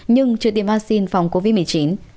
nhưng chưa tiêm vaccine phòng covid một mươi chín